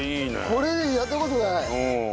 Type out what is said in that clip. これやった事ない。